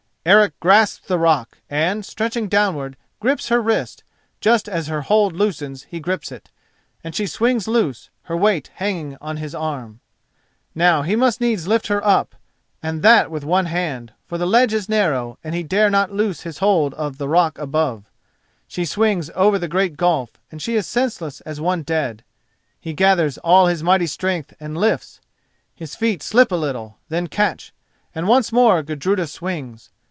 Eric grasps the rock and, stretching downward, grips her wrist; just as her hold loosens he grips it, and she swings loose, her weight hanging on his arm. Now he must needs lift her up and that with one hand, for the ledge is narrow and he dare not loose his hold of the rock above. She swings over the great gulf and she is senseless as one dead. He gathers all his mighty strength and lifts. His feet slip a little, then catch, and once more Gudruda swings.